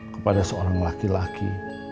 kepada seorang laki laki